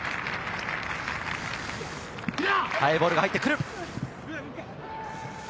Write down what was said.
速いボールが入ってくる。